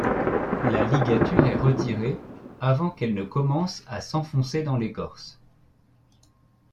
Une ligature est retirée avant qu'elle ne commence à s'enfoncer dans l'écorce.